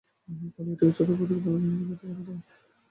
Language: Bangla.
অনেকে এটিকে ছদ্ম পদার্থবিজ্ঞান হিসাবে আখ্যায়িত করে থাকেন।